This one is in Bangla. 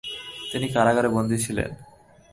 তিনি কারাগারে বন্দি ছিলেন।